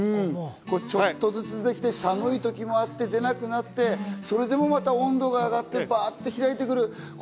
ちょっとずつ出てきて、寒い時もあって出なくなって、それでも温度が上がってバっと開いてくる。